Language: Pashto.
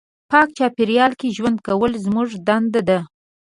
پاک چاپېریال کې ژوند کول زموږ دنده ده.